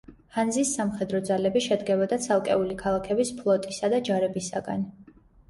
ჰანზის სამხედრო ძალები შედგებოდა ცალკეული ქალაქების ფლოტისა და ჯარებისაგან.